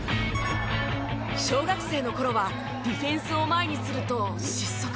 小学生の頃はディフェンスを前にすると失速。